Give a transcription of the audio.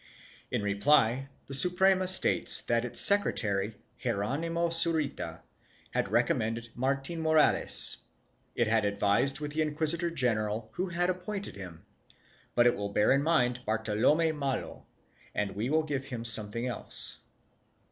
In reply the Suprema states that its secretary, Hieronimo Zurita, had recommended Martin Morales; it had advised with the inquisitor general who had appointed him, but it will bear in mind Barto lome Malo and will give him something else.